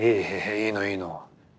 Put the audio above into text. いいのいいの。